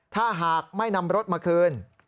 ถ้าหากไม่นำรถมาคืน